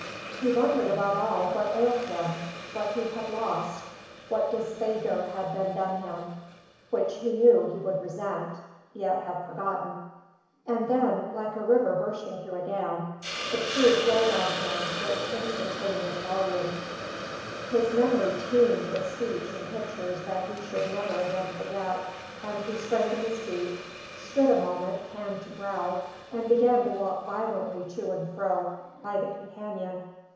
He wondered above all what ailed him, what he had lost, what disfavour had been done him, which he knew he should resent, yet had forgotten. And then, like a river bursting through a dam, the truth rolled on him its instantaneous volume: his memory teemed with speech and pictures that he should never again forget; and he sprang to his feet, stood a moment hand to brow, and began to walk violently to and fro by the companion.